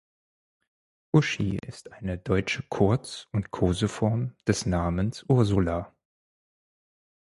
Uschi ist eine deutsche Kurz- und Koseform des Namens Ursula.